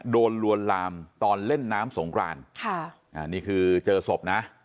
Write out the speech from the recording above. ลวนลามตอนเล่นน้ำสงครานค่ะอ่านี่คือเจอศพนะ